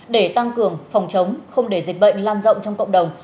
để tăng cường phòng chống không để dịch bệnh lan rộng trong cộng đồng